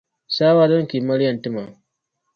Saawɔr' dini ka yi mali yɛn ti ma?